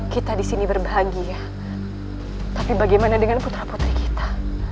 kita di sini berbahagia tapi bagaimana dengan putra putra kita